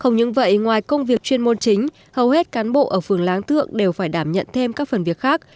không những vậy ngoài công việc chuyên môn chính hầu hết cán bộ ở phường láng thượng đều phải đảm nhận thêm các phần việc khác